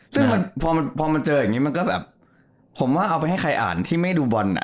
ซึ่งพอมันเจออย่างนี้มันก็แบบผมว่าเอาไปให้ใครอ่านที่ไม่ดูบอลอ่ะ